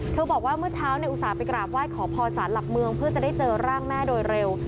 บอกว่าเมื่อเช้าในอุตส่าห์ไปกราบไหว้ขอพรสารหลักเมืองเพื่อจะได้เจอร่างแม่โดยเร็ว